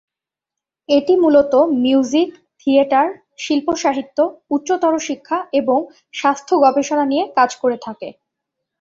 এটি মূলত music, theatre, শিল্প সাহিত্য, উচ্চতর শিক্ষা এবং স্বাস্থ্য গবেষণা নিয়ে কাজ করে থাকে।